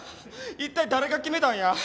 一体誰が決めたんや？